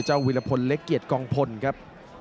เจ้าวิรพลเล็กเกียจกองพลครับ